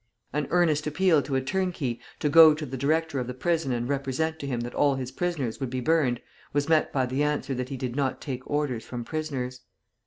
An earnest appeal to a turnkey to go to the director of the prison and represent to him that all his prisoners would be burned, was met by the answer that he did not take orders from prisoners.